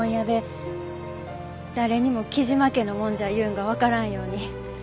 誰にも雉真家の者じゃいうんが分からんように。